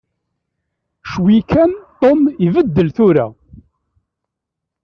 Ccwi kan Tom ibeddel tura.